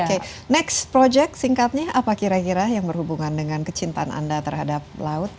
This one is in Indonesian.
oke next project singkatnya apa kira kira yang berhubungan dengan kecintaan anda terhadap laut